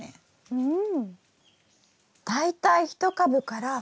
うん。